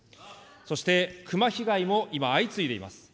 そしてクマ被害も今、相次いでいます。